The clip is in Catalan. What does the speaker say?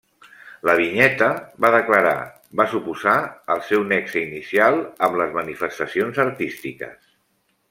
La vinyeta, va declarar, va suposar el seu nexe inicial amb les manifestacions artístiques.